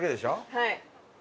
はい。